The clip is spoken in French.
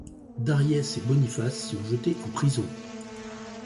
Dariès et Boniface sont jetés en prison.